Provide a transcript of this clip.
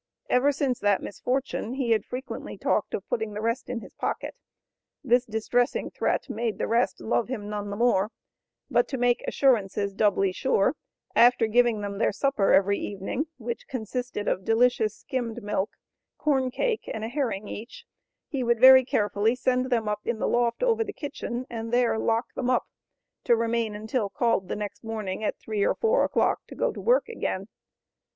Ever since that misfortune, he had frequently talked of "putting the rest in his pocket." This distressing threat made the rest love him none the more; but, to make assurances doubly sure, after giving them their supper every evening, which consisted of delicious "skimmed milk, corn cake and a herring each," he would very carefully send them up in the loft over the kitchen, and there "lock them up," to remain until called the next morning at three or four o'clock to go to work again.